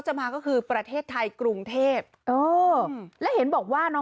โหโหโหโหโหโห